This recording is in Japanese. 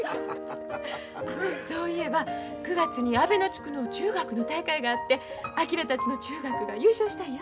そういえば９月に阿倍野地区の中学の大会があって昭たちの中学が優勝したんや。